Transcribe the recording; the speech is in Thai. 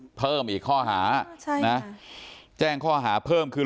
อีกก็เพิ่มอีกข้อฐาแจ้งข้อฐาเพิ่มคือ